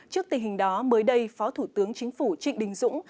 trước tình hình đó mới đây phó thủ tướng chính phủ trịnh đình dũng